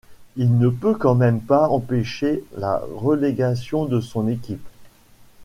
Il ne peut quand-même pas empêcher la relégation de son équipe.